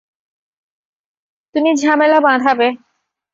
তুমি ঝামেলা বাঁধাবে।